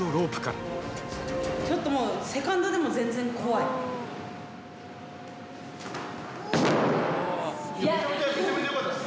ちょっともう、セカンドでもめちゃめちゃよかったです。